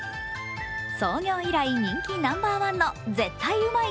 創業以来人気ナンバーワンのぜったいうまい！！